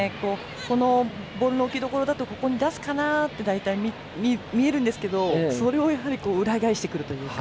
このボールの置き所だとここに出すかなって見えるんですけどそれを裏返してくるという。